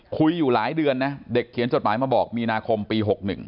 คุยอยู่หลายเดือนนะเด็กเขียนจดหมายมาบอกมีนาคมปี๖๑